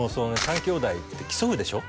３兄弟って競うでしょ？